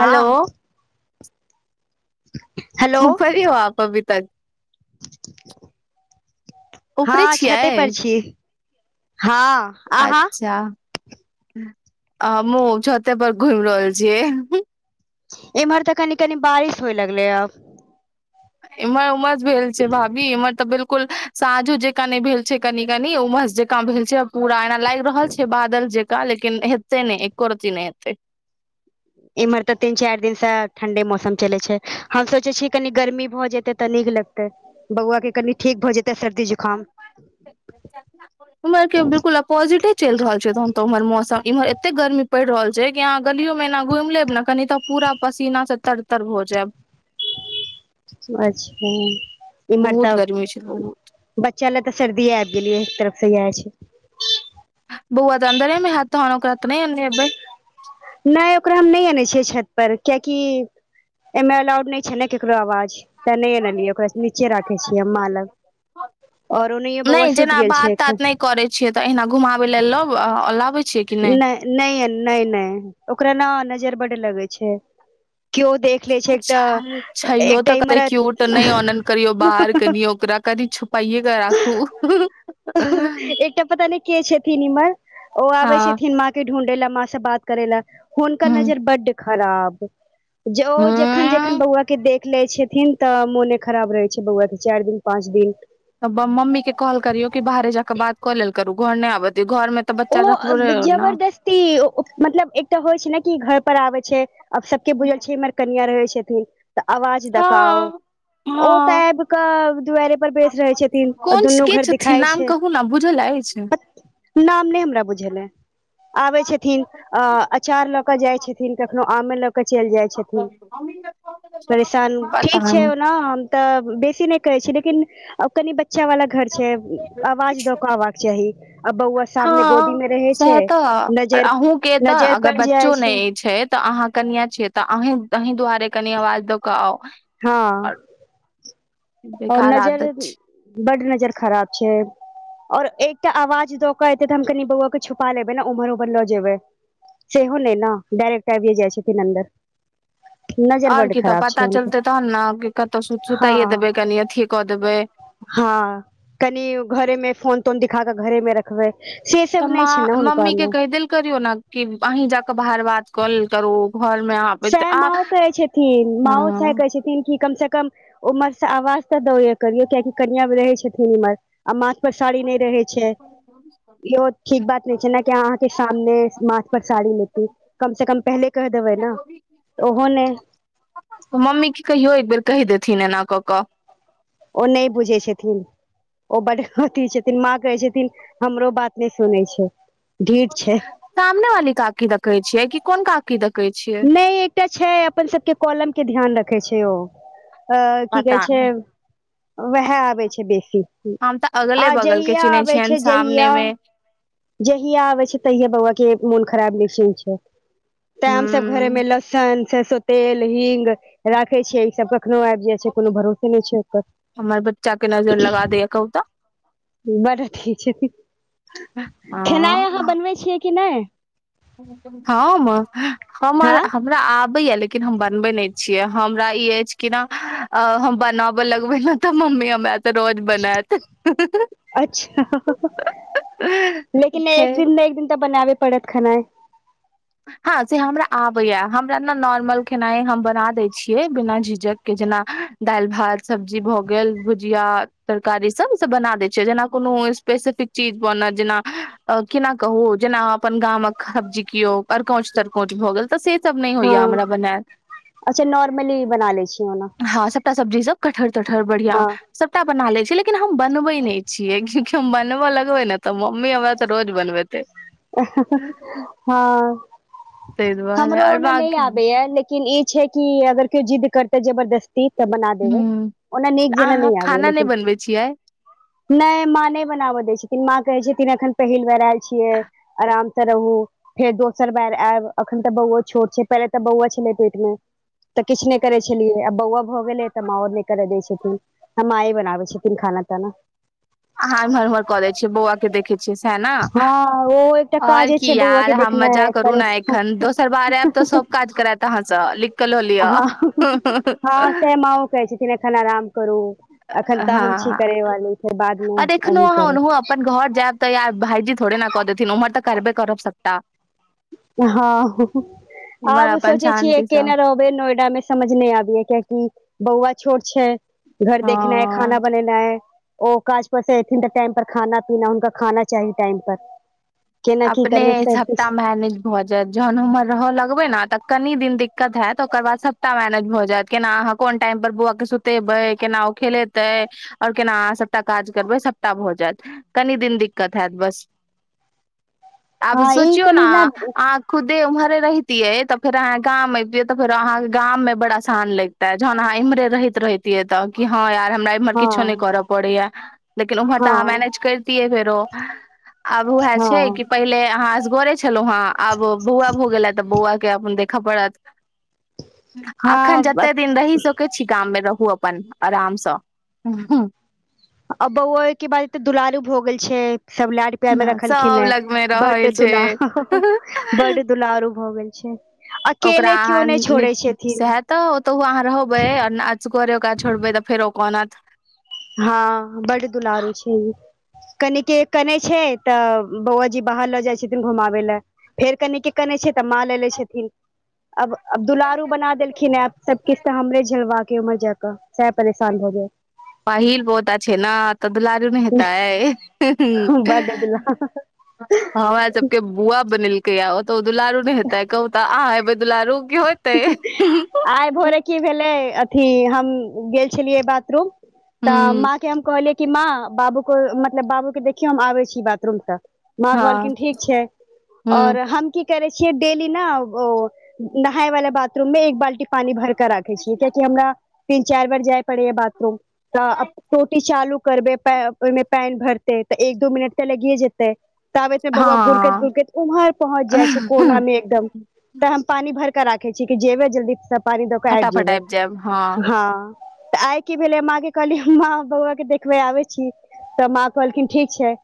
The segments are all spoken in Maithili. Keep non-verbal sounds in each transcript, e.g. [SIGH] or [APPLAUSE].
हेलो हेलो [INAUDIBLE] हँ ऊपरे छते छियै पर छी हँ अहाँ अच्छा अ हमहुँ छते पर घुमि रहल छियै इम्हर तऽ कनि-कनि बारिश होए लगले आब इम्हर उमस भेल छै भाभी इम्हर तऽ बिलकुल साँझो जेकाँ नहि भेल छै कनि-कनि उमस जकाँ भेल छै पूरा एना लागि रहल छै बादल जे का लेकिन हतै नहि एको रति नहि हेतै इम्हर तऽ तीन चारि दिन से ठंडे मौसम चले छै हम सोचे छीै कनी गर्मी भऽ जेते तऽ नीक लगतै बौआ के कनि ठीक भऽ जेते सर्दी-जुखाम उमहर के बिलकुल अ पॉजिटे चलि रहल छै तहन तऽ ओम्हर मौसम ईमहर एते गर्मी पईड़ रहल छै कि अहाँ गलियोमे एना घुमि लेब ने कनि तऽ पूरा पसीना सऽ तर-तर भऽ जैब अच्छा इमहर त बहुत गर्मी छै बहुत बच्चा ले तऽ सर्दीे आबि गेलै एक तरफ सऽ इहे छै बौआ तऽ अन्दरेमे हेत ओकरा त नहि अनने हेबय नहि ओकरा हम नहि आनै छियै छत पर कियेकि। एहिमे अलाउड नहि छै ने केकरो आवाज तैं नहि एनलियै ओकरा नीचे राखै छियै हम माँ लग ओर ओनहियो बौआ नहि सुति जेना गेल बात छै तात एखन नहि करै छियै तऽ अहिना घुमाबै ल लब लाबे छियै कि नहि नहि नै नै ओकरा नऽ नजर बड लगै छै। कियो देख ले छै एकटा अच्छा छैयो तऽ एकटा कते इमर क्यूट नहि ऑनन करियो बाहर हहहहह कनियो ओकरा कनि छुपाइये के राखू एकटा पता नहि के छथिन इमर ओ आबे हँ छथिन माँ के ढूंढ़े लए माँ से बात करै लए हुनकर हूँ नजर बडु खराब जे ओ जे जखन जखन हूँ बौआ के देख लेय छथिन तऽ मोने खराब रहै छै बौआ के चारि दिन पाँच दिन तऽ ब मम्मी के कहल करियो कि बाहरे जाकऽ बात कऽ लेल करू घर नहि आबऽ दियौ घर मे तऽ बच्चा रखबे नऽ जबरदस्ती ती ओ मतलब एकटा होए छै ने कि घर पर आबै छै आब सबके बुझल छै इम्हर कनिया रहै छथिन तऽ आवाज दऽ कऽ आउ हँ ओ हँ तऽ आबि कऽ दुआरै पर बैस रहै छथिन आ कोन दुनू के घर छथिन दिखाइ नाम छै। कहू ने बुझल अछि नाम नहि हमरा बुझल अए। आबै छथिन अ अचार लऽ कऽ जाय छथिन त कखनो आमे लऽ केऽ चलि जाइ छथिन परेशान पता ठीक छै नहि ओना हम तऽ बेसी नहि करै छी लेकिन आब कनि बच्चा वाला घर छै। आवाज दऽ कऽ आबक चाही, आ बौआ सामने गोदी हँ, मे रहै छै सह तऽ, नजर अहुँ के तऽ नजर अगर पड़ि बच्चो जाइ नहि। छै, तऽ अहाँ कनिया छियै तऽ, अही अहीं दुआरे कनि आवाज दऽ कऽ आउ। हँ, और ओ बेकार आदत नजर छै बड नजर खराब छै। और एकटा आवाज दऽ केऽ एते तऽ, हम कनी बौआ के छुपा लेबै ने उम्हर- उमर लऽ जेबै। सेहो नहि न, डायरेक्ट आबिये जाइ छथिन अन्दर। नजर आओर बड्ड की तऽ खराब पता छै हुनकर चलतै तहन ने, कतहु हँ सुताइए देबै, कनि अथिये कऽ देबै। हँ, कनि घरे में फोन -तोन दिखा क, घरे मे रख बै, से तऽ सब नहि छै माँ ने हुनका मम्मी के मे कहि देल करियौ ने, कि अहीं जााके बाहर बात क लेल करू। घर मे सएह आ माँओ कहै छथिन, माँओ सएह हँ कहै छथिन। न, कि कम से कम उमहर से आवाज तऽ द देल करियऔ, कियाकि कनिया रहै छथिन इमहर। आ माथ पर साड़ी नहि रहे छै। इहो ठीक बात नहि छैय ने कि, अहाँके सामने माथ पर साड़ी लेती। कम से कम पहिले कहि देबै ने। ओहो नहि ऽ मम्मी क कहियो, एकबेर कहि देथिन एना कऽ कऽ। ओ नहि बुझै छथिन। ओ बड अथी छथिन, माँ कहै छथिन हमरो बात नहि सुनै छै। ढीठ छै सामने वाली काकी द कहै छियै, कि कोन काकी दे कहै छियै? नहि एकटा छै, अपन सबके कॉलम के ध्यान रखे छै ओ। अ की पता कहै छै, नहि वएह आबै छै बेसी। हम तऽ आ अगले बगल के जहिय चिन्है आबै छियनि छै, सामने जहिया मे जहिया आबे छै, तहिया बौआ के मोन खराब निश्चित छै, तै हूं हम सब घरे मे लह सन, सरसो तेल, हिंग राखे छिअई, सब कखनो आब जे छै, कोनो भरोसे नहि छै हमर बच्चा के नजर ओकर लगा दैया कहू तऽ बड़ अथी छै, खेनाइ अहाँ हँ बनबै छियै कि नहि? हम, हमर हँ हमरा आबे य लेकिन हम बनबे नहि छियै, हमरा ई अछि कि ने, अ हम बनाबय लगबे ने तऽ मम्मी हमरा से रोज बनायत। अच्छा लेकिन एक खैर दिन ने एक दिन, तऽ बनाबे पड़त खेनाइ। हँ से हमरा आबैया, हमरा ने नॉर्मल खेनाइ हम बना दै छियै, बिना झिझक के जेना दालि -भात सब्जी भए गेल, भुजिया, तरकारी सब, सब बना देय छै, जेना कोनो स्पेसिफिक चीज बनत, जेना अ केना कहू, जेना अह अपन गामक सब्जी केयओ। अरिकोच- तरकोच भ हो गेल। से सब नहि होइए हँ हमरा बनेय। अच्छा नॉर्मली बना लै छी ओना सबटा सब्जी सब, कठहर -तठहर बढ़िया, हँ सबटा बना ले छियै, लेकिन हम बनबे नहि छियै। कि हम बनबऽ लगबै ने तऽ, मम्मी हमरा तऽ रोज बनबेतै। हँ, ताहि दुआरे हमरो आओर ओना नहि बाकी आबे य, लेकिन लेकिन ई छै कि, अगर केओ जिद्द करते जबरदस्त ती त बना देबै, हूँ ओना नीक तऽ जेना अहाँ नहि आबै, खाना लेकिन बनबै छियै नहि माँ नहि बनाबऽ दै छथिन, माँ कहे छथिन, अखन पहिल बेेर आयल छियै। आराम से रहू। फेर दोसर बेर आयब, एखन तऽ बौआ छोट छै, पहिले तऽ बौआ छलै पेट मे। तऽ किछु नहि करै छलियै, आब बौआ भऽ गेलै, तऽ माँ आओर नहि कर दै छथिन। हं माए बनाबै छथिन खाना ताना अहाँ एम्हर उम्हरऽ क दै छियै बौआ के देखै छियै सैह ने हँ ओ एकटा और काजे की छै बौआ के यार अहां मजा देखनाइ करू ने परेशान एखन दोसर बार आयब तऽ सब काज करैत अहाँ से लिख के ल लिय। हँ हँ सैह माँओ कहै छखिन अखैन आराम करू अखन तऽ हम छी हँ करैवाली फेर बादमे आओर एखनो अही अहाँ ओनाहु करब अपन घर जाएब तऽ या भाइजी थोड़े ने कऽ देथिन उम्हर तऽ करबे करब सबटा हँ, इम्हर आब अपन सोचै छियै शान्ति सँ केने रह नोएडा में समझ नहि आबैये कियाकि बौआ छोट छै। घर देखनै हँ खाना बनेनाइ ओ काज पर से ऐथिन तऽ टाइम पर खाना पीना हुनका खाना चाही टाइम पर केना की अपने करबै सब सबटा किछु मेनेज भऽ जायत, जखन ओमहर रहऽ लगबै ने तऽ कनी दिन दिक्कत होयत ओकर बाद सबटा मैनेज भऽ जायत केना अहाँ कोन टाइम पर बौआ के सुतेबै केना ओ खेलेतै आओर केना अहाँ सभटा काज करबै सभटा भऽ जायत कनि दिन दिक्कत होयत बस आब हँ ई सोचियौ ने कनि अहाँ खुदे उम्हरे रहितिये तऽ फेर अहाँं गाम एबतिये तऽ फेरो अहाँ के गाम मे बड़ा आसान लग ते जखन अहाँ इम्हरे रहैत रहितियै तऽ कि हँ यार हमरा एम्हर किछो नहि हँ करऽ पड़ैये लेकिन उम्हर तऽ अहाँ हँ मैनेज करितियै फेरो आब वैह छै हँ कि पहिले अहाँ असगरे छलौ हें आब बौआ भ गेल हे तऽ बौआ के अपन देखय पड़त। अखैन हँ जते दिन रहि सकैत छी गाम मे रहू अपन आरामसँ। आब बौओ ऐ के बाद एते दुलारू भ गेल छै सब लार प्यार मे रखलखिन सब हें लगमे बड रहै दुला छै बड दुलारु भऽ गेल छै। ओकरा अकेले केओ नहि अहाँ छोड़ै छथिन सैह त ओतहु अहाँ रहबै आ असगरे ओकरा छोड़बै तऽ फेर ओ कानत। हँ बड दुलारू छै। कनिके कनै छै तऽ बौआजी बाहर लऽ जाइ छथिन घुमाबै ले। फेर कनिके केने छै तऽ माँ ले ले छथिन। आब आब दुलारू बना देलखिन हं सब किछु तऽ हमरे झेलवा के उम्हर जाकऽ। सैह परेशान भ जाए। पहिल पोता छैे ने तऽ दुलारू नै हेतय। जायत बड्ड दुलारू हमरा सबके बुआ बनेलकै, कैये ओ त दुलारू नै हेतै क कहू त अहाँ हेबै दुलारू की होत आइ भोरे की भेलै अथी हम गेल छलियै बाथरूम तऽ माँ के हम कहलियै कि माँ बाबू के मतलब बाबू के देखियौन हम आबै छी बाथरूम से माँ हँ कहलखिन ठीक छै और हूँ हम की करे छियै डेली ने ओ नहाय वाला बाथरूम में एक बाल्टी पानी भर के राखे छियै कियाकि हमरा तीन चारि बेार जाय पड़ैये बाथरूम त टोटी चालू करबै ओहिमे पानि भरतै तऽ एक दू मिनट तऽ लगिए जेतै ताबतमे बौआ गुड़कैत हँ गुुड़कैत उम्हर पहुँच जाइ छै कोना मे एकदम। तऽ हम पानी भर कऽ राखे छी कि जेबे जल्दी सब पानी दऽ के आबि फटाफट जेबै जायब हँ हँ। तऽ आइ की भेलै माँ के कहली माँ बौआ के देखबे आबै छी। तऽ माँ कहलखिन ठीक छै।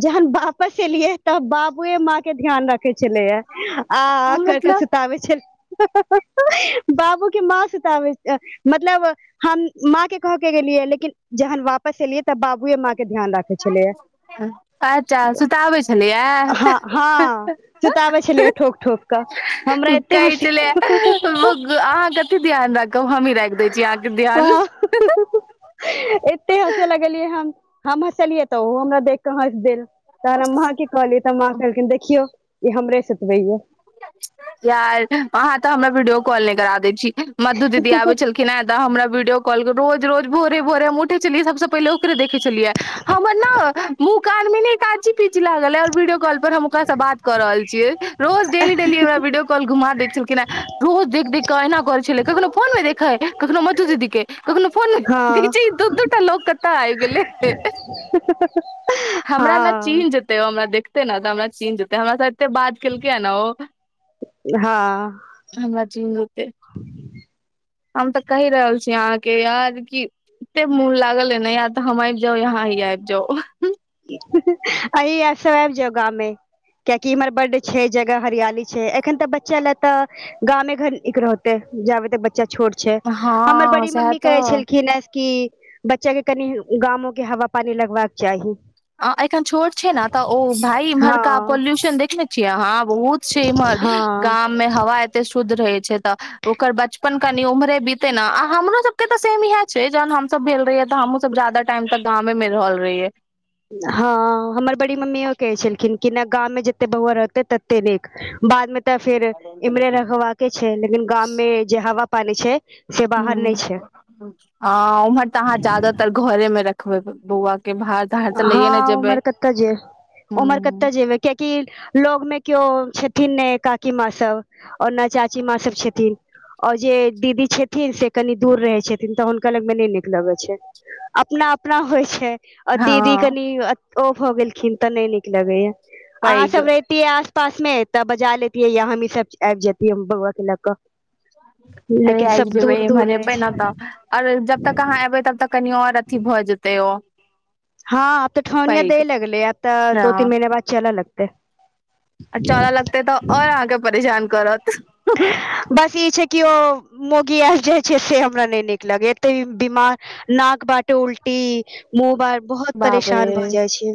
जहन वापस एलियै तऽ बाबुए माँ के ध्यान रख ठीक छेलैए। आ-आ-आ कऽ कऽ मतलब सुताबै छेल बाबूके माँ सुताबै अ, मतलब हम माँ के कह के गेलियै लेकिन जहन वापस एलियै तऽ बाबू बुए माँ के ध्यान राखै छलैए, अच्छा सुताबै छलैया हँ-हँ सुताबै छलियै ठोक-ठोक कऽ। हम हूँ, कहै छलैयऽ [UNINTELLIGIBLE] अहाँ कते ध्यान राखब हमी रैख दै छी। जे अहाँक ध्यान हँ खेलियै हम, हम हँसलियै तऽ ओहो हमरा देख के हँस देल। तऽ रम्भा कि कहलियै तऽ माँ कहलखिन देखियौ ई हमरे सुतबैयऽ। यार, अहाँ तऽ हमरा वीडियो कॉल नै करा दै छी। मधु दीदी आबे छलखिन कि नैं तऽ हमरा वीडियो कॉल कके रोज-रोज भोरे-भोरे हम उठै छलियै सभसँ पहिले ओकरे देखै छलियै यऽ हमर नऽ, मुँह कान में नै कांची-पीची लागल ऐल वीडियो कॉल फेर हम ओकासँ बात कऽ रहल छियै। रोज डेली-डेली हमरा वीडियो कॉल घुमा दै छलखिन एं रोज देख-देख कऽ ऐना कऽरे छलेै। कखनो फोन मे देखै, कखनो मधु दीदी के। कखनो फोन नै, देखतीही हँ दू- दू टा लोक कतऽ ऐब गेलै। [INAUDIBLE] हमरा लऽ हँ चील जेत तेओ हमरा देखते नऽ तऽ हमरा चीन्ह जेतै, हमरा सँ एत्ते बात केलकै ने ओ हँ हमरा चिह होते हम तऽ कैह रहल छी अहाँके यार कि एत्ते मून लागल ऐने या तऽ हम ऐब जाउ यांएही ऐब जाउ। अहीं ऐ सभ ऐब जाउ गामे। कियाकि इमहर बड छै, जगह हरियाली छै एखन तऽ बच्चा ले तऽ गामे घर निक रहतै, जाबे तक बच्चा छोट छै, हम्मर हँ बड़ी सएह मम्मी कहै तऽ छलखिन ऐं कि बच्चा के कनि, गामो के हवा पानी लगबाक चाही। अं, एखन छोट छै ने तऽ ओ भाय हँ इम्हरका पोल्यूशन देखने छियै अहां? बहुत छै इम्हर हँ गाम मे हवा एते शुद्ध रहै छै तऽ ओकर बचपन कनि उम्हरे बीते नऽ, आ हमरो सबके के तऽ सेम इएह छै जहन हम सब भेल रहीयै तऽ हमहू सब जादा टाइम तक गामे मे रहल रहियै। हँ, हमर बड़ी मम्मीयों कहै छलखिन कि नऽ गाम मे जते बौआ रहतै तते नीक। बाद मे तऽ फेर इम्हरे रहवाके छै लेकिन गाम में, जे हवा पानी छै से बाहर नहि हूँ छै हँ, उम्हर तऽ अहाँ जादातर घरे में रखबै, बौआ के भात हँ, उमर कतऽ जे, उमर हूँ कतऽ जेबै? कियाकि लऽग में केयो छथिन नै काकी माँ सभ। ओनो चाची माँ सभ छथिन। औ जे दीदी छथिन से कनी दूर रहै छथिन तऽ हुनका लग मे नै नीक लगै छै। अपना-अपना होइ छै। आ दीदी हँ कनी अ-ओ भऽ गेलखिन तऽ नै नीक लगैयऽ। अहाँ पैघ सभ रै तियै आस-पास मे तऽ बजा लेतियै या हमही सब आयब जेतियै बौआ के लऽ कऽ। [INAUDIBLE] अरे लेकिन आयब सब जेबै, दूर एम्हर दूर रहै एबै नऽ छै तऽ और जब तक अहाँ एबै तब तक कनि और अथी भऽ जेतै ओ। हँ, तऽ ठहुनियें दे पैघ लगलै आ तऽ हँ दो-तीन महिने बाद चलऽ लगतै। आ चलऽ लगतय तऽ और अहाँके परेशान करत। बस ई छै केओ मौगी आइब जाइ छै से हमरा नय नीक लगैयैऽ। एत्ते बिमार नाक बाटे उल्टी, मुँह बार- बहुत बाप रे परेशान भऽ जाइ छै।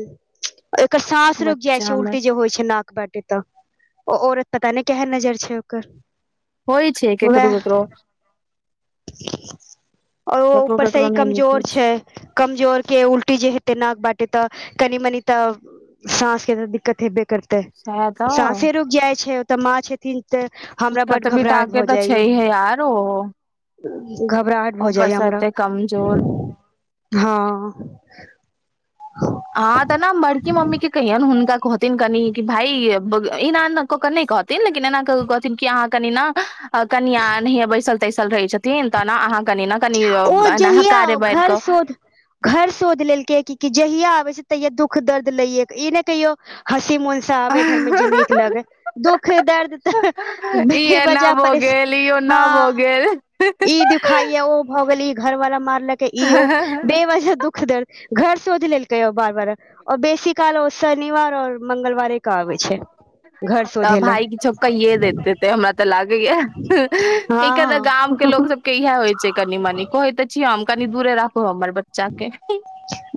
एकर साँस रुक जाइ बच्चा छै हमर उलटी जे होइ छै नाक बाटे तऽ। ओ औरत पता नय केहन नजर छै ओकर होय छै केकरो- केकरो ओर ओ केकरो ऊपर स केकरो इ नहि नीक होइ कमजोर छै। कमजोर के उल्टी जे हेतय नाक बाटे तऽ कनि मनी तऽ साँस के तऽ दिक्कत हेबे करतै। सएह साँसे तऽ रुइक जाइ छै ओतऽ माँ छथिन त हमरा बड्ड घबराहट भऽ जाइयैऽ। सारो घबराहट भऽ जाइयैऽ हमरा। कमजोर हँ अहांतऽ नऽ बड़की मम्मी के कहियौन हुनका कहथिन कनि, भाइ एना- अना कऽ क नय कहथिन, लेकिन एना कऽ कह थीन की अहाँ कनि न, कनिया एनाहिये बैसल- तैसल रहै छथिन, तऽने अहाँ कनि न कनीयौ ओ जहिया हकार घर बाइरक। शोध घर सोध लेलकै। की जहिया आबे छै तहिया दुख दर्द लईये क इनै कहियो हँसी मनस आबे घरमें जे नीक लगय। दुःख दर्द त ई एना भऽ गेल, ई ओना हँ भऽ गेल ई दुखाइयै, ओ भऽ गेल, ई घरवला मारलकै ई- ओ बेवजह दुःख -दर्द। घर सोध लेलकै, उ बार- बार। ओ बेसी काल ओ शनिवार और मंगलवारे के आबै छै घर तऽ शोधे लए भाय किछो कैेयेऽ देतैऽ। ते हमरा तऽ लागैयैऽ। एका त गाम हँ के लोक सब यैह होइ छै कनि मनी। कहै तऽ छी हम, कनि दूरे राखू हपन बच्चा के।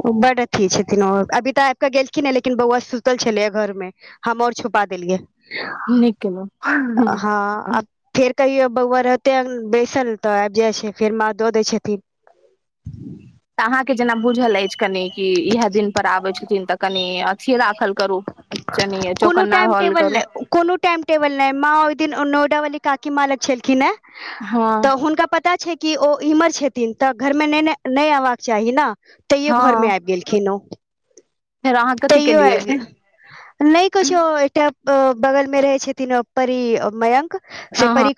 ओ बड्ड अथी छथिन ओ। अभी तऽ आब कऽ गेलखिनहें, लेकिन बौआ सुतल छलै घरमे। हम और छुपा देलियय। नीक केलौं हँ फेर कहियो बौआ रहतेअं- बैसल तऽ आइब जाइ छै फेर माँ दऽ दै छथिन। [INAUDIBLE] तऽ अहाँके जेना बुझल अइछ कनि कि इहै दिन पर आबै छथिन तऽ कनि अथिए राखल करू। अच्छा नय अय। कोनो चौकन्ना टाइम हॉल टेबल करू। कोनो टाइम टेबल नय। माँ ओय दिन नोएडा वाली काकी माँ लग छलखिनने तऽ हँ हुनका पता छै कि ओ इम्हर छथिन। तऽ घरमे नय न- नय एबाक चाही न। तैयो घरमे हँ आइब गेलखिन ओ। फेर अहाँ कथी तैयो केलियै आइब नय हँ कुछो। एकटा बगल मे रहै छथिन ओ परी मयंक, से हँ परी